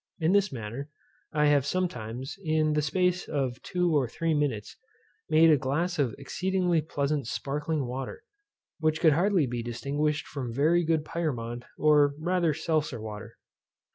In this manner, I have sometimes, in the space of two or three minutes, made a glass of exceedingly pleasant sparkling water, which could hardly be distinguished from very good Pyrmont, or rather Seltzer water.